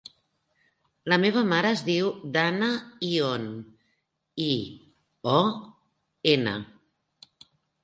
La meva mare es diu Danna Ion: i, o, ena.